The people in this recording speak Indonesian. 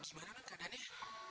gimana nun keadaannya